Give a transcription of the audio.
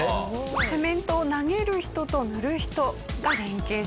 セメントを投げる人と塗る人が連携してるんですね。